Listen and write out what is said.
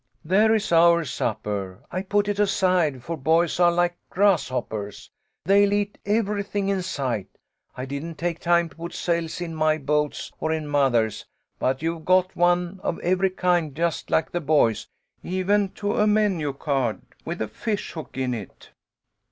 "There is our supper. I put it aside, for boys are like grasshoppers. They'll eat everything in sight. I didn't take time to put sails A FEAST OF SAILS. 97 in my boats or in mother's, but you've got one of every kind just like the boys, even to a menu card with a fish hook in it."